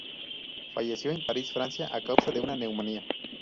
Falleció en París, Francia, a causa de una neumonía